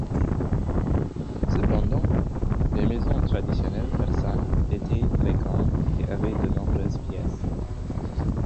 Cependant, les maisons traditionnelles persanes étaient très grandes et avaient de nombreuses pièces.